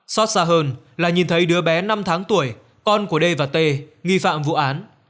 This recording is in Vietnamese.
xót xa hơn là nhìn thấy đứa bé năm tháng tuổi con của d và t nghi phạm vụ án